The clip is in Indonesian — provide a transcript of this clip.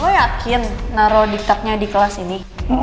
lo yakin naruh diktatnya di kelas ini